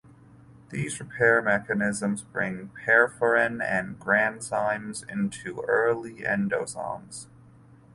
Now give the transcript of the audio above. These repair mechanisms bring perforin and granzymes into early endosomes.